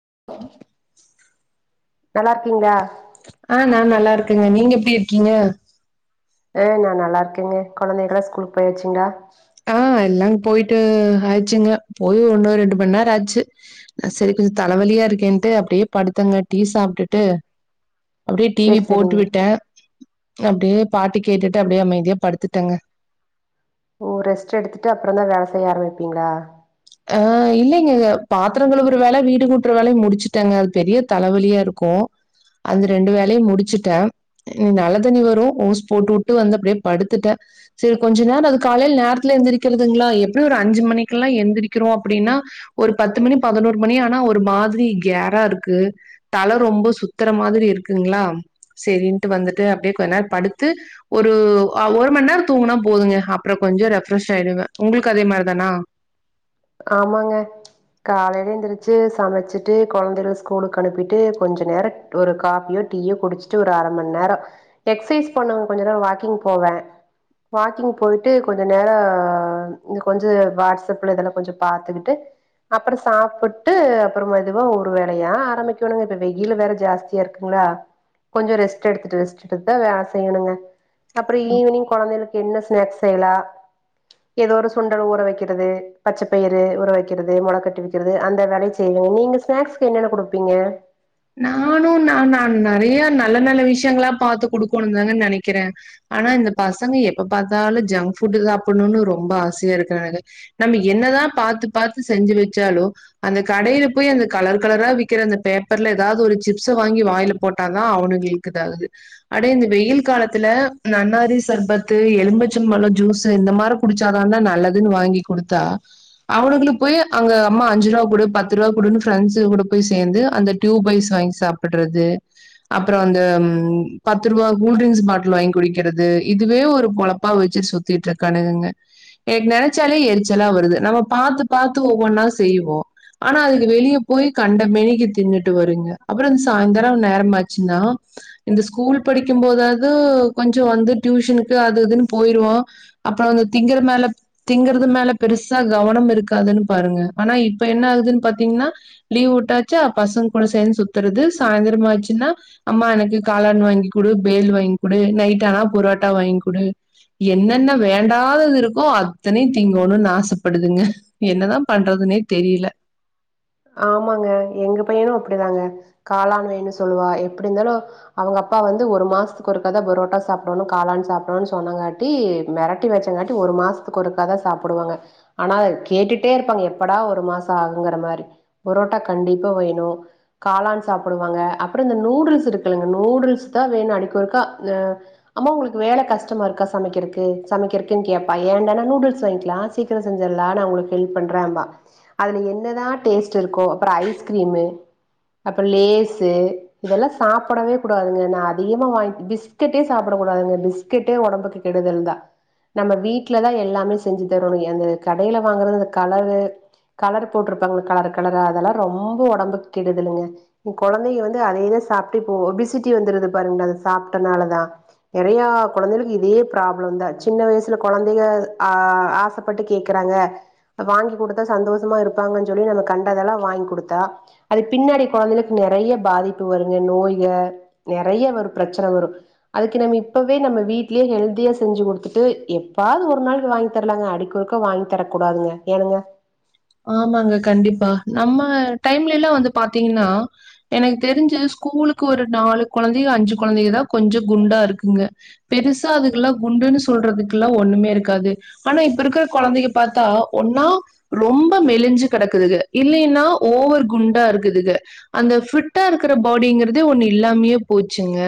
[inaudible] நல்லா இருக்கீங்களா அஹ் நா நல்லா இருக் ஏங்க நீங்க எப்டி இருக்கீங்க அஹ் நான் நல்லா இருக்கேங்க கெழந்தைகளாம் ஸ்கூலுக்கு போயாச்சுங்களா எல்லாங் போயிட்டு ஆயுச்சுங்க போய் ஒன்னு ரெண்டு மணி நேர ஆச்சு ஆ செரி கொஞ்சோ தலைவலியா இருக்கேன்ட்டு அப்டியே படுத்தங்க டீ சாப்ட்டுட்டு அப்டியே டிவி சேரி போட்டு சேரிங்க விட்ட அப்டியே பாட்டு கேட்டுட்டு அப்பிடியே அமைதியா படுத்துட்டங்க ஒ ரெஸ்ட் எடுத்துட்டு அப்ற தா வேல செய்ய ஆரம்பிப்பீங்களா ஆ இல்லைங்க பாத்தர கழுவுற வேல வீடு கூட்டுற வேலயும் முடிச்சுட்டேங்க அது பெரிய தலைவலியாருக்கு அந்த ரெண்டு வேலையு முடிச்சுட்டே ம் நல்ல தண்ணி வரும் ஓஸ் போட்டுவுட்டு வந்து அப்டியே படுத்துட்டே சேரி கொஞ்ச நேர அது காலையில நேரத்துல எந்திரிக்கிறதுங்களா எப்டியு ஒரு அஞ்சு மணிக்கெல்லா எழுந்திரி கிறோம் அப்டின்னா ஒரு பத்து மணி பதினோரு மணி ஆனா ஒரு மாதிரி கேரா இருக்கு தல ரொம்ப சுத்தர மாதிரி இருக்குங்களா சேரின்ட்டு வந்துட்டு அப்டியே கொஞ்ச நேர படுத்து ஒரு ஒரு மணி நேர தூங்குனா போதுங்க அப்றோ கொஞ்சோ ரெஃப்ரஷ் ஆயிடுவே உங்களுக்கு அதே மாதிரி தானா ஆமாங்க காலையில எந்திரிச்சு சமைச்சிட்டு கொழந்தையள ஸ்கூலுக்கு அனுப்பிட்டு கொஞ்ச நேர ஒரு காபியோ டீயோ குடிச்சுட்டு ஒரு அர மணி நேர எக்சைஸ் பண்ணுவே கொஞ்ச நேர வாக்கிங் போவே வாக்கிங் போய்ட்டு கொஞ்ச நேர கொஞ்ச வாட்ஸப்ல எதனா கொஞ்ச பாத்துகிட்டு அப்புறம் சாப்புட்டு அப்புறம் மெதுவா ஒரு வேலையா ஆரம்பிக்கனுங்க வெயில் வேற ஜாஸ்தியா இருக்குங்ளா கொஞ்சோ ரெஸ்ட் எத்துட்டு ரெஸ்ட் எடுத்து தா வேல செய்யனுங்க அப்புறோ ஆ ஈவினிங் கொழந்தைகளுக்கு என்ன ஸ்நெக்ஸ் செய்யலா ஏதோ ஒரு சுண்டல் ஊற வெக்கிறது பச்ச பயிரு ஊற வைக்கிறது மொள கட்டி வக்கிறது அந்த வேலையு செய்வங்க நீங்க ஸ்நாக்ஸ்க்கு என்னென்ன குடுப்பீங்க நானும் நா நா நெறைய நல்ல நல்ல விஷயங்களா பாத்து குடுக்கணும்னு தாங்க நெனைக்கிறே ஆனா இந்த பசங்க எப்ப பாத்தாலு ஜங்க் ஃபுட் சாப்புட்ணுன்னு ரொம்ப ஆசையா இருக்கு எனக்கு நம்ம என்னதா பாத்து பாத்து செஞ்சு வெச்சாலோ அந்த கடையில போய் அந்த கலர் கலரா விக்கிற அந்த பேப்பர் பேப்ர்ல ஏதாவது ஒரு சிப்ஸ்ச வாங்கி வாயில போட்டா தா அவனுங்களுக்கு [unintelligible] அட இந்த வெயில் காலத்துல நன்னாரி சர்பத்து எலும்பிச்சம்பழோ ஜூஸ்சு இந்த மாரி குடிச்சாதான்டா நல்லதுன்னு வாங்கி குடுத்தா அவனுங்களுக்கு அங்க அம்மா அஞ்சு ரூபா கூடு பத்து ரூபா குடுனு ப்ரெண்ட்ஸ் கூட போய் சேந்து அந்த க்யூ பைட்ஸ் வாங்கி சாப்பிட்றது அப்புறோ அந்த பத்து ரூபா கூல்ட்ரிங்க்ஸ் பாட்டில் வாங்கி குடிக்கிறது இதுவே ஒரு பொழப்பா வெச்சு சுத்திகிட்டு இருக் கானுங்க எனக்கு நெனச்சாலே எரிச்சலா வருது நம்ம பாரத்து பாத்து ஒவ்வொன்னா செய்வோ ஆனா அதுக்க வெளியே போய் கண்ட மெனிக்கு தின்னுட்டு ட்டு வருங்க சாய்ந்தரம் நேரமாச்சினா இந்த ஸ்கூல் படிக்கும் போதாது கொஞ்சோ வந்து டியூஷனுக்கு அது இதுன்னு போயிருவோ அப்புறோ திங்கற மேல திங்கறது மேல பெருசா கவனம் இருக்காதுன்னு பாருங்க ஆனா இப்ப என்னா ஆகுதுன்னு பாத்திங்கன்னா லீவ் உட்டாச்சா பசங் கூட சேந்து சுத்துறது சாய்ந்திரம் ஆச்சுன்னா அம்மா எனக்கு காளான் வாங்கிடு பேல் வாங்கி குடு நைட் ஆனா புரோட்டா வாங்கி குடு என்னென்ன வேண்டாதது இருக்கோ அத்தனையு தீங்கணும்னு ஆசப்படுதுங்க என்னதா பண்றதுனே தெரியல ஆமாங்க எங்க பையனும் அப்டிதாங்க காளான் வேணு சொல்லுவா எப்டி இருந்தாலு அவுங்க அப்பா வந்து ஒரு மாசத்துக்கு ஒருக்கா தா புரோட்டா சாப்புட்ணு காளான் சாப்புடனும்னு சொன்னாங்காட்டி மிரட்டி வெச்சங்காட்டி ஒரு மாசத்துக்கு ஒருக்கா தா சாப்புடுவாங்க ஆனா கேட்டுட்டே இருப்பாங்க எப்படா ஒரு மாசோ ஆகுங்கிற மாரி பரோட்டா கண்டிப்பா வேணோ காளான் சாப்புடுவாங்க அப்புறோ இந்த நூடுல்ஸ் இருக்குல்லங்க நூடுல்ஸ் தா வேணும் அடிக்கி ஒருக்கா ஆஹ் அம்மா உங்களுக்கு வேல கஷ்டமா இருக்கா சமைக்கிறக்கு சமைக்கிறக்குன்னு கேப்பா ஏடன்னா நூடுல்ஸ் வாங்கிலா சீக்கிரோ செஞ்சட்லா நா உங்களுக்கு ஹெல்ப் பண்றேன்பா அதுல என்னதா டேஸ்ட் இருக்கோ அப்றோ ஐஸ்கிரீமு அப்புறோ லேசு இதெல்லா சாப்புடவே கூடதுங்க நா அதிகமா வாங்கி பிஸ்கேட்டே சாப்புட கூடாதுங்க பிஸ்கேட்டே ஒடம்புக்கு கெடுதல் தா நம்ம வீட்டுல தா எல்லாமே செஞ்சி தரணு எங்கா கடயில வாங்குறது அந்த கலவு கவர் போட்டிருப் கண்க்கு கலர் கலரா அதெல்லா ரொம்போ ஒடம்புக்கு கெடுதலுங்க கொழந்தைங்க வந்து அத இத சாப்புட்டு இப்போ ஒபிசிட்டி வந்துருது பாருங்களே இத சாப்ட நாலதா நெறையா கொழந்தைகளுக்கு இதே ப்ராப்ளம் தா சின்ன வயசுல கொழந்தைக ஆ ஆசப்பட்டு கேக்குறாங்க வாங்கி குடுத்தா சந்தோஷமா இருப்ப ப்பாங்கன்னு சொல்லி நம்ம கண்டதெல்லா வாங்கி குடுத்தா அது பின்னாடி கொழந்தைகளுக்கு நெறைய பாதிப்பு வருங்க நோய்க நெறைய ஒரு பிரச்சன வரோ அதுக்கு நம்ம இப்பவே நம்ம வீட்லயே ஹெல்தியா செஞ்சு கொடுத்துட்டு எப்பாது ஒரு நாளைக்கு வாங்கி தரலாங்க அடிக்கு ஒருக்கா வாங்கி தரக்க கூடாதுங்க ஏனுங்க ஆமாங்க கண்டிப்பா நம்ம டைம்ல எல்லா வந்து பாத்தீங்கன்னா எனக்கு தெரிஞ்சி ஸ்கூலுக்கு ஒரு நாலு கொழந்தைக அஞ்சு கொழந்தைங்கதா கொஞ்சோ குண்டா இருக்குங்க பெருசா அதுக்கெல்லா குண்டுன்னு சொல்றதுக்கு எல்லா ஒன்னுமே இருக்காது ஆனா இப்ப இருக்கிற கொழந்தைங்க பாத்தா ஒன்னா ரொம்ப மெலிஞ்சு கெடக்குதுக்க இல்லைன்னா ஓவர் குண்டா இருக்குதுக அந்த ஃபிட்டா இருக்குற பாடிங்கிறதே ஒன்னு இல்லாமையே போச்சுங்க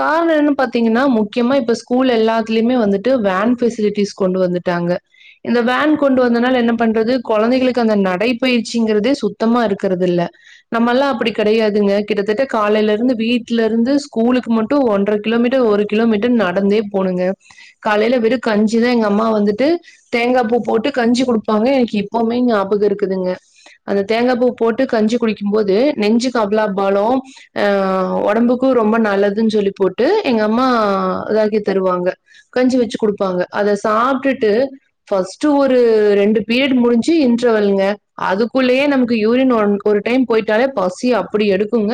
காரணோ என்னா பாத்தீங்கன்னா முக்கியமா இப்ப ஸ்கூல்ல எல்லாத்துலயுமே வந்துட்டு வேன் ஃபசிலிட்டிஸ் கொண்டு வந்துட்டாங்க இந்த வேன் கொண்டு வந்தனால என்ன பண்றது கொழந்தைகளுக்கு அந்த நடைப்பயிற்சிங்கிறது சுத்தமா இருக்கறது இல்ல நம்மல்லா அப்டி கெடையாதுங்க கிட்டத்தட்ட காலையில இருந்து வீட்டுல இருந்து ஸ்கூலுக்கு மட்டும் ஒன்றரை கிலோமீட்டர் ஒரு கிலோமீட்டர் நடந்தே போணுங்க காலையில வெறும் கஞ்சிதா எங்க அம்மா வந்துட்டு தேங்கா பூ போட்டு கஞ்சி குடுப்பாங்க எனக்கு இப் இப்பவுமேங்க ஞாபகோ இருக்குதுங்க அந்த தேங்கா பூ போட்டு கஞ்சி குடிக்கும் போது நெஞ்சுக்கு அவ்ளோ கபலா பாலோ அஹ ஒடம்புக்கோ ரொம்ப நல்லதுன்னு சொல்லி போட்டு எங்க அம்மா இதாக்கி தருவாங்க கஞ்சி வெச்சு குடுப்பாங்க அத சாப்டுட்டு ஃஸ்ட்டு ஒரு ரெண்டு பீரியட் முடிஞ்சு சி இன்டெர்வெல்லுங்க அதுக்குள்ளயே நமக்கு யூரின் ஒ ஒரு டைம் போயிட்டாலே பசி அப்டி எடுக்குங்க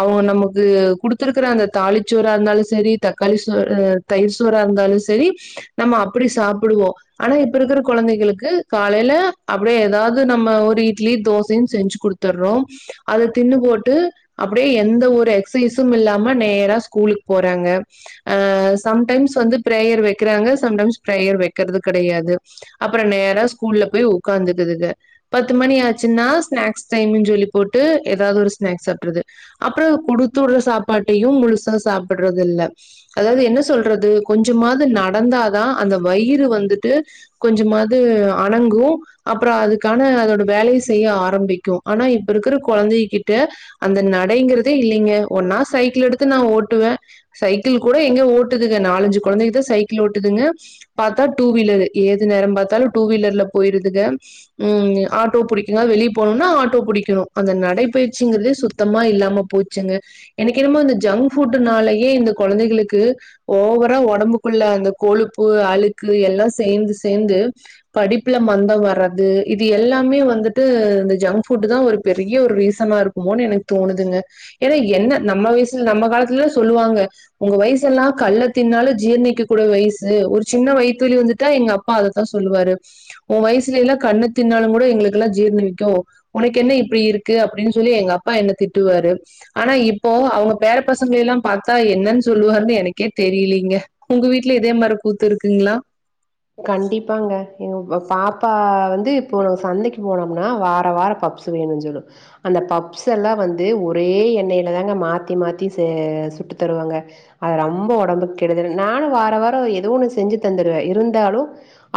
அவுங்க நமக்கு குடுத்திருக்குற அந்த தாலிச்சோற இருந்தாலு செரி தக்காளி சோறு தயிர் சோற இருந்தாலு சரி நம்ம அப்படி சாப்புடுவோ ஆனா இப்ப இருக்குற கொழந்தைங்களுக்கு காலையில அப்டியே ஏதாது நம்ம ஒரு இட்லி தோசையும் செஞ்சு குடுத்துட்றோ அத தின்னு போட்டு அப்டியே எந்த ஒரு எக்ஸசைஸ்சும் இல்லாம நேரா ஸ்கூலுக்கு போறாங்க ஆஹ சம்டைம்ஸ் வந்து ப பிரேயர் வெக்கிறாங்க சம்டைம்ஸ் பிரேயர் வெக்கிறது கெடையாது அப்புறோ நேரா ஸ்கூல்ல போய் ஒக்காந்துக்குதுங்க பத்து மணி ஆச்சுன்னா ஸ்நாக்ஸ் டைம்னு சொல்லி போட்டு ஏதாவது ஒரு ஸ்நாக்ஸ் சாப்புடறது அப்புறோ குடுத்துவுட்ற சாப்பாட்டையு முழுசா சாப்புட்றது இல்ல அதாவது என்ன சொல்றது கொஞ்சமாது நடந்தாதா அந்த வயிறு வந்துட்டு கொஞ்சமாது அணங்கூ அப்புறோ அதுக்கான அதோட வேலைய செய்ய ஆரம்பிக்கும் ஆனா இப்ப இருக்குற கொழந்தை கிட்ட அந்த நடைங்கிறதே இல்லைங்க ஒன்னா சைக்கிள் எடுத்து நா ஓட்டுவே சைக்கிள் கூட எங்க ஓட்டுதுங்க நாலஞ்சு கொழந்தைங்கதா சைக்கிள் ஓட்டுதுங்க பாத்தா டூ வீலரு ஏது நேரம் பாத்தாலு டூ வீலர்ல போயிருது போயிடுதுக ம் ஆட்டோ படிக்க வெளிய போனும்னா ஆட்டோ புடிக்கணு அந்த நடைபயிற்சிங்கறதே சுத்தமா இல்லாம போச்சுங்க எனக்கு என்னமோ ஜங்க் ஃபுட்டுனால இந்த கொழந்தைகளுக்கு ஓவரா ஒடம்புக்குள்ள அந்த கொழுப்பு அழுக்கு எல்லா சேந்து சேந்து படிப்புல மந்தம் வர்றது இது எல்லாமே வந்துட்டு இந்த ஜங்க் ஃபுட்தா ஒரு பெரிய ஒரு ரீசனா இருக்குமோன்னு எனக்கு தோணுதுங்க ஏனா என்ன நம்ம வயசுல நம்ம காலத்துல சொல்லுவாங்க உங்க வயசு எல்லா கல் தின்னாலு ஜீரணிக்க கூடிய வயசு ஒரு சின்ன வயித்து வலி வந்துட்டா எங்க அப்பா அதத்தா சொல்லுவாரு உன் வயசுல எல்லா கண்ணு தின்னாலுமங் கூட எங்களுக்கெல்லா ஜீர்ணிக்கு உனக்கு என்ன இப்படி இருக்கு அப்டின்னு சொல்லி எங்க அப்பா என்ன திட்டுவாரு ஆனா இப்போ அவுங்க பேர பசங்க எல்லா பாத்தா என்னனு சொல்லுவாருன்னு எனக்கே தெரியலீங்க உங்க வீட்ல இதே மாரி கூத்து இருக்குங்ளா கண்டிப்பாங்க எ பாப்பா வந்து இப்போ சந்தைக்கு போனோம்னா வார வாரம் பப்ஸ் வேணுனு சொல்லு அந்த பப்ஸ் எல்லா வந்து ஒரே எண்ணெல தாங்க மாத்தி மாத்தி ச சுட்டுத் தருவாங்க அது ரொம்ப ஒடம்புக்கு கெடுதல் நானு வார வாரோ எதோ ஒண்ணு செஞ்சு தந்துருவ இருந் நாலு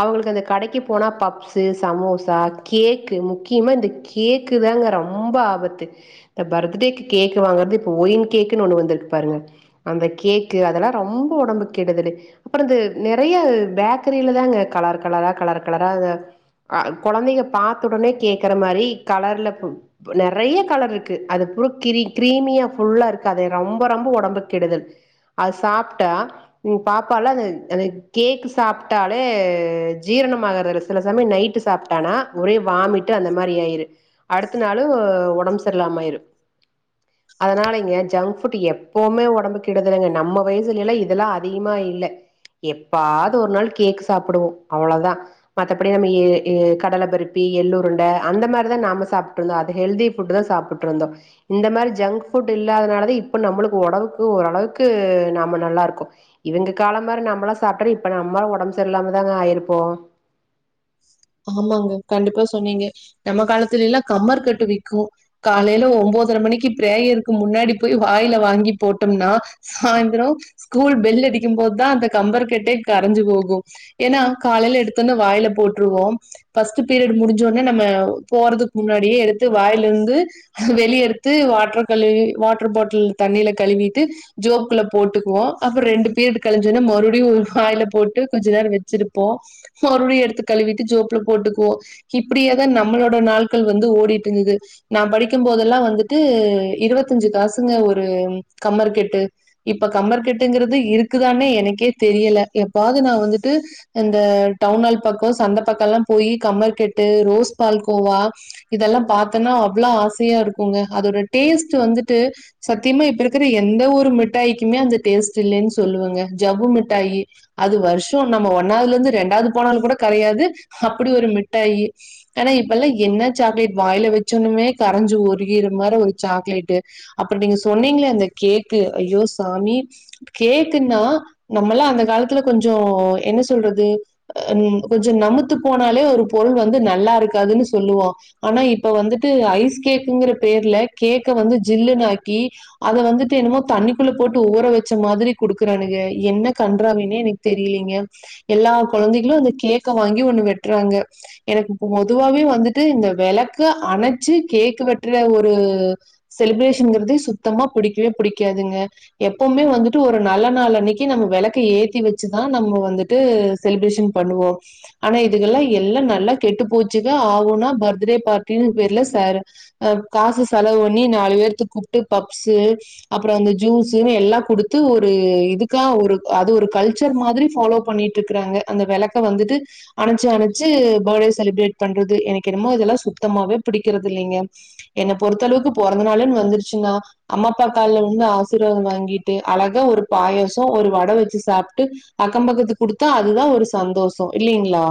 அவுங்களுக்கு அந்த கடைக்கு போனா பப்ஸு சமோசா கேக் முக்கியமா இந்த கேக்குதாங்க ரொம்ப ஆபத்து இந்த பர்த்டேக்கு கேக் வாங்கறது ஒ இன் கேக்குனு வந்திருக்கு பாருங்க அந்த கேக்கு அதெல்லா ரொம்ப ஒடம்புக்கு கெடுதல் அப்புறோ இந்த நெறயா பேக் கிரிலதாங்க கலர் கலரா கலர் கலரா கொழந்தைங்க பாத்த உடனே கேக்கிற மாரி கலர்ல நெறயா கலர் இருக்கு அது பூரா கிரீமியா ஃபுல்லா இருக்கு அத ரொம்ப ரொம்ப ஒடம்புக்கு கெடுதல் அது சாப்பிட்டா பாப்பால்லா அந்த கேக் சாப் டாலே ஜீரணம் ஆகறதில்ல சில சமயோ நைட்டு சாப்பிட்டானா ஒரே வாமிட்டு அந்த மாரி ஆயிரு அடுத்த நாளு ஒடம்பு சரியில்லாம ஆயிரு அதனாலங்க ஜங்க் ஃபுட் எப்புமே ஒடம்புக்கு கெடுதலுங்க நம்ம வயசுல எல்லா இதெல்லா அதிகமா இல்ல எப்பாது ஒரு நாள் கேக் சாப்பிடுவோ அவ்வளவுதா மத்தபடி நம்ம கடல பருப்பி எள்ளு உருண்ட அந்த மாரிதா நம்ம சாப்பிட்டு இருந்தோ அது ஹெல்தி ஃபுட்டுதா சாப்பிட்டு இருந்தோ இந்த மாரி ஜங்க் ஃபுட் இல்லாததுனாலதா இப்ப நம்மளுக்கு ஒடம்புக்கு ஓரளவுக்கு நம்ம நல்லா இருக்கோ இவுங்க காலம் மாரி நம்மளா சாப்பிட்டோ இப்ப நம்ம ஒடம்பு சரியில்லாமதாங்க ஆயிருப்போ ஆமாங்க கண்டிப்பா சொன்னீங்க நம்ம காலத்துல எல்லா கம்மர் கட்டு விக்கு காலைல ஒன்போதரை மணிக்கு பிரேயருக்கு முன்னாடி போய் வாயில வாங்கி போட்டோம்னா சாயந்தர ஸ்கூல் பெல் அடிக்கும்போதுதா அந்த கம்பர் கட்டே கரைஞ்சு போகு ஏனா காலைல எடுத்தொன்ன வாயில போற்றுவோ ஃபஸ்ட் பீரியட் முடிஞ்ச ஒன்ன நம்ம போறதுக்கு முன்னாடியே எடுத்து வாயிலிருந்து வெளிய எடுத்து வாட்டர் கழுவி வாட்டர் பாட்டில் தண்ணில கழுவிட்டு ஜோப்குல்ல போட்டுக்குவோ. அப்ப ரெண்டு பீரியட் கழிஞ்ச ஒன்ன மறுபடி ஒரு வாயில போட்டு கொஞ்ச நேரோ வெச்சிருப்போ மறுபடி எடுத்து கழுவிட்டு ஜோப்ல போட்டுக்குவோ இப்படியேதா நம்மளோட நாட்கள் வந்து ஓடிட்டு இந்துது நா படிக்கும் போதெல்லா வந்துட்டு இருவத்தஞ்சு காசுங்க ஒரு கம்மர் கெட்டு இப்ப கம்மர் கெட்டுங்கிறது இருக்குதானே எனக்கே தெரியல எப்பாது நா வந்துட்டு அந்த டவுனால் பக்கோ சந்த பக்கோ எல்லா போயி கம்மர் கெட்டு ரோஸ் பால்கோவா இதெல்லாம் பாத்தன்னா அவ்வளவு ஆசையா இருக்குங்க அதோட டேஸ்ட் வந்துட்டு சத்தியமா இப்ப இருக்கிற எந்த ஒரு மிட்டாயக்குமே அந்த டேஸ்ட் இல்லைன்னு சொல்லுவங்க ஜபவ்வு மிட்டாயி அது வருஷோ நம்ம ஒன்னாவதுல இருந்து ரெண்டாவது போனாலு கூட கரையாது அப்படி ஒரு மிட்டாயி ஆனா இப்பெல்லா என்ன சாக்லேட் வாயில வெச்ச ஒண்ணமே கரைஞ்சு உருகிற மாரி ஒரு சாக்லேட் அப்புறோ நீங்க சொன்னீங்ளே அந்த கேக்கு ஐயோ சாமி கேக்குனா நம்மல்லா அந்த காலத்துல கொஞ்சோ என்ன சொல்றது கொஞ்சோ நமுத்து போனாலே ஒரு பொருள் வந்து நல்லா இருக்காதுனு சொல்லுவோ ஆனா இப்ப வந்துட்டு ஐஸ் கேக்குங்கிற பேர்ல கேக்க வந்து ஜில்லுனுனாக்கி அத வந்துட்டு என்னமோ தண்ணிக்குள்ள போட்டு ஊற வெச்ச மாரி குடுக்கறானுங்க என்ன கண்றாவினே எனக்கு தெரியலீங்க எல்லா கொழந்தைகளு அந்த கேக் க வாங்கி ஒண்ணு வெட்டறாங்க எனக்கு பொதுவாவே வந்துட்டு இந்த விளக்க அணைச்சு கேக்கு வெட்டற ஒரு செலிப்ரேஷன்ங்கிறது சுத்தமா புடிக்கவே புடிக்காதுங்க எப்புமே வந்துட்டு ஒரு நல்ல நாள் அன்னைக்கு நம்ம விளக்க ஏத்தி வெச்சுதா நம்ம வந்துட்டு செலிப்ரேஷன் பண்ணுவோ ஆனா இதுக்கெல்லா எல்லா நல்லா கெட்டு போச்சுக்க ஆவூனா பர்த்டே பார்ட்டினு பேர்ல செ அஹ் காசு செலவு பண்ணி நாலு பேத்த கூப்பிட்டு பப்ஸு அப்புறோ அந்த ஜூஸுன்னு எல்லா குடுத்து ஒரு இதுக்கா ஒரு அது ஒரு கல்ச்சர் மாரி ஃபாலோ பண்ணிட்டு இருக்காங்க அந்த விளக்க வந்துட்டு அணைச்சு அணைச்சு பர்த்டே செலிப்ரேட் பண்றது எனக்கு என்னமோ இதெல்லா சுத்தமாவே புடிக்கிறது இல்லைங்க என்ன பொறுத்தளவுக்கு பொறந்த நாள்ன்னு வந்துருச்சுன்னா அம்மா அப்பா கால்ல விழுந்து ஆசீர்வாதம் வாங்கிட்டு அழகா ஒரு பாயாசோ ஒரு வடை வெச்சு சாப்பிட்டு அக்கம் பக்கத்துக்கு குடுத்தா அதுதா ஒரு சந்தோஷோ இல்லைங்ளா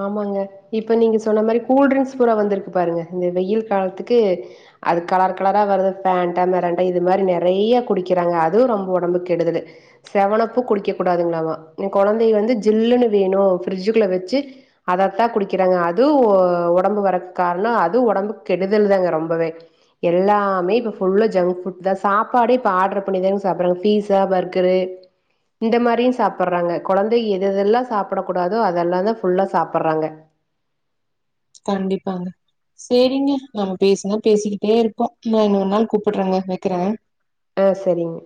ஆமாங்க இப்ப நீங்க சொன்ன மாரி கூல்ட்ரிங்க்ஸ் பூரா வந்திருக்கு பாருங்க இந்த வெயில் காலத்துக்கு அது கலர் கலரா வர்ரது ஃபேண்டா மிராண்டா இது மாரி நெறயா குடிக்கிறாங்க அதுவு ரொம்ப ஒடம்புக்கு கெடுதல் செவன் அப் குடிக்க கூடாதுங்ளாமா இந் கொழந்தைங்க வந்து ஜில்லுனு வேணு பிரிட்ஜ்குள்ள வெச்சு அதத்தா குடிக்கிறாங்க அதுவு ஒடம்பு வர்றக்கு காரணோ அதுவு ஒடம்புக்கு கெடுதல்தாங்க ரொம்பவே எல்லாமே இப்ப ஃபுல்லா ஜங்க் ஃபுட்தா சாப்பாடே இப்ப ஆர்டர் பண்ணிதாங்க சாப்பறாங்க பீஸா பர்கரு இந்த மாரியு சாப்பிடறாங்க கொழந்த எதெதெல்லா சாப்பிட கூடாதோ அதெல்லாதா ஃபுல்லா சாப்பிடறாங்க கண்டிப்பாங்க சேரிங்க நாம பேசினா பேசிக்கிட்டே இப்போ நா இன்னொரு நாள் கூப்பிடறங்க வெக்கற ஆஹ் செரிங்க